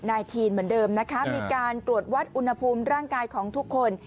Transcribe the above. ทีนเหมือนเดิมนะคะมีการตรวจวัดอุณหภูมิร่างกายของทุกคน